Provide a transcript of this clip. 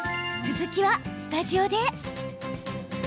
続きはスタジオで。